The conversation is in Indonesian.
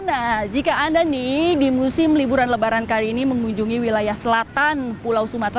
nah jika anda nih di musim liburan lebaran kali ini mengunjungi wilayah selatan pulau sumatera